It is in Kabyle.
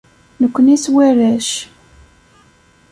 Nekni s warrac.